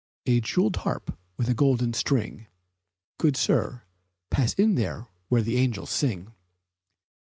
A jeweled harp with a golden string, Good sir, pass in where the angels sing!